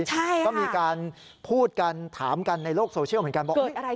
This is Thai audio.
ก็มีการพูดกันถามกันในโลกโซเชียลเหมือนกันบอก